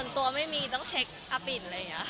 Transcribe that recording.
ทีมงาน